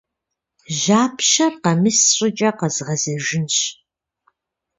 Жьапщэр къэмыс щӀыкӀэ къэзгъэзэжынщ.